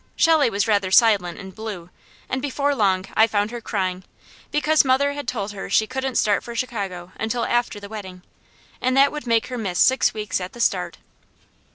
Shelley was rather silent and blue, and before long I found her crying, because mother had told her she couldn't start for Chicago until after the wedding, and that would make her miss six weeks at the start.